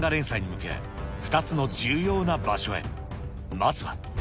まずは。